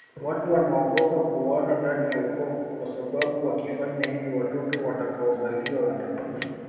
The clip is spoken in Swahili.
Watu wnaogopa kuoana ndani ya ukoo kwasababu wakifanya hivyo watoto watakaozaliwa watakufa